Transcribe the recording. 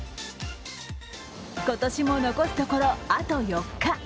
今年も残すところあと４日。